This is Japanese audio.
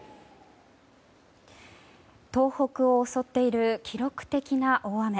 東北を襲っている記録的な大雨。